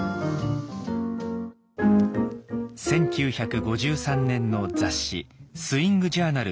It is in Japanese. １９５３年の雑誌「スイングジャーナル」